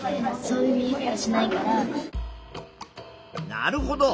なるほど。